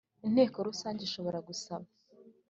Inteko Rusange ishobora gusaba